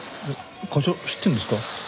課長知ってるんですか？